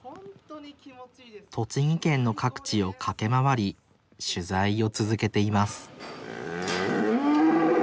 栃木県の各地を駆け回り取材を続けています